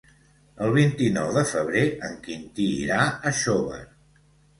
El vint-i-nou de febrer en Quintí irà a Xóvar.